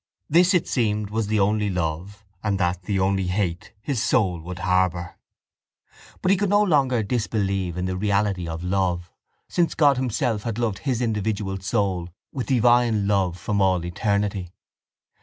This, it seemed, was the only love and that the only hate his soul would harbour. But he could no longer disbelieve in the reality of love, since God himself had loved his individual soul with divine love from all eternity.